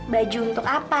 baju untuk apa